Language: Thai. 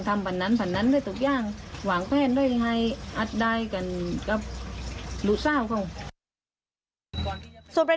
ไปทำสวนปามแล้วก็กู้ทรัพยากรตำรวจอีก๒ล้านสมทบ